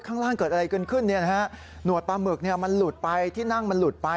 ข้างล่างเกิดอะไรขึ้นหนวดปลาหมึกมันหลุดไปที่นั่งมันหลุดไป